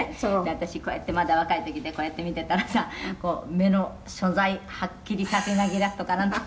「私こうやってまだ若い時でこうやって見てたらさこう“目の所在はっきりさせなけりゃ”とか」